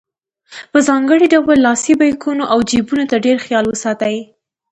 په ځانګړي ډول لاسي بیکونو او جیبونو ته ډېر خیال وساتئ.